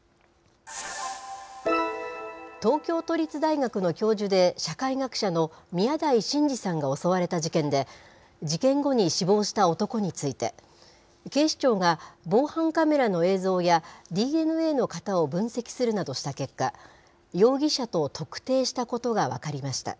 東京都立大学の教授で社会学者の宮台真司さんが襲われた事件で、事件後に死亡した男について、警視庁が防犯カメラの映像やＤＮＡの型を分析するなどした結果、容疑者と特定したことが分かりました。